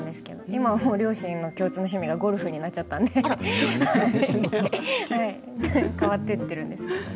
今は両親の共通の趣味がゴルフになっちゃいましたけれど変わっていってるんですけれど。